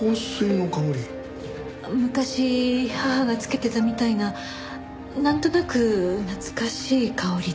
昔母がつけてたみたいななんとなく懐かしい香りで。